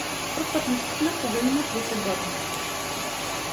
Првпат ме штипна кога имав десет години.